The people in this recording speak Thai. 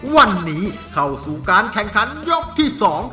วันนี้เข้าสู่การแข่งขันยกที่สอง